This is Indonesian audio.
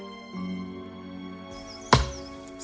dia tidak pernah merasa malu dalam caranya